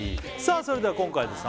それでは今回ですね